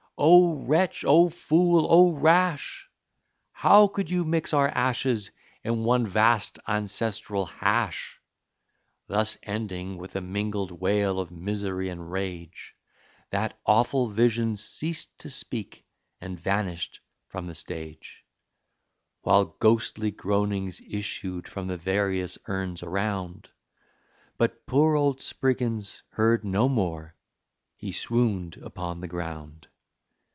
Oh, wretch! Oh, fool! Oh, rash! How could you mix our ashes in one vast, ancestral hash?" Thus ending, with a mingled wail of misery and rage, That awful vision ceased to speak, and vanished from the stage, While ghostly groanings issued from the various urns around, But poor old Spriggins heard no more he swooned upon the ground.